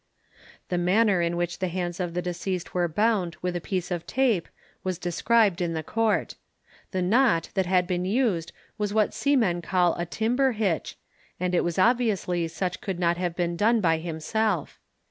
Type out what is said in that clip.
The manner in which the hands of the deceased were bound with a piece of tape was described in the court. The knot that had been used was what seamen call a timber hitch, and it was obviously such could not have been done by himself.